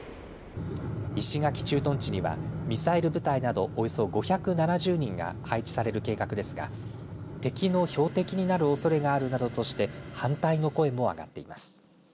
石垣駐屯地にはミサイル部隊などおよそ５７０人が配置される計画ですが敵の標的になるおそれがあるなどとして反対の声も上がっています。